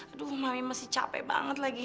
aduh mami masih capek banget lagi